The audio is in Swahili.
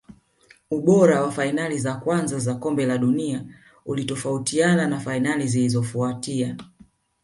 ubora wa fainali za kwanza za kombe la dunia ulitofautiana na fainali zilizofautia